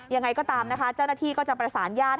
ยังไงก็ตามนะคะเจ้าหน้าที่ก็จะประสานญาติ